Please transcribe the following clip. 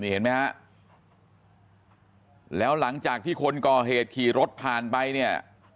เห็นไหมฮะแล้วหลังจากที่คนก่อเหตุขี่รถผ่านไปเนี่ย